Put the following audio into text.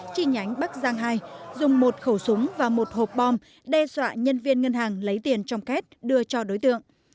chi nhánh bắc giang hai dùng một khẩu súng và một hộp bom đe dọa nhân viên ngân hàng lấy tiền trong kết đưa cho đối tượng